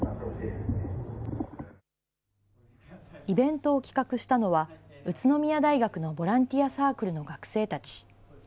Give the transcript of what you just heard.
イベントを企画したのは、宇都宮大学のボランティアサークルの学生たち。